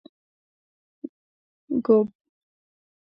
ږوب